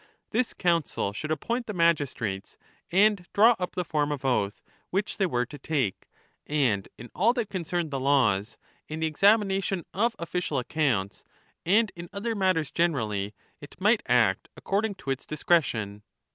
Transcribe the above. This Council should appoint the magistrates and draw up the form of oath which they were to take ; and in all that concerned the laws, in the examination of official accounts, and in other matters generally, it might act according to its discretion.